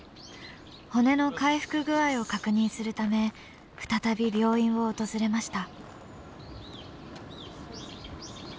骨の回復具合を確認するため再び病院を訪れました。